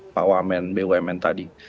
pak wamen bumn tadi